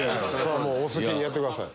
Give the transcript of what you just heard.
お好きにやってください。